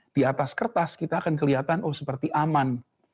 di atas kertas kita akan kelihatan oh seperti aman